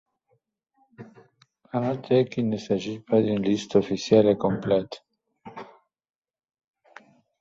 À noter qu'il ne s'agit pas d'une liste officielle et complète.